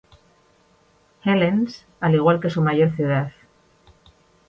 Helens, al igual que su mayor ciudad.